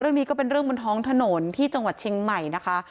เรื่องนี้ก็เป็นเรื่องบนท้องถนนที่จังหวัดเชียงใหม่นะคะ